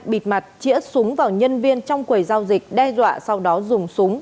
bịt mặt chỉa súng vào nhân viên trong quầy giao dịch đe dọa sau đó dùng súng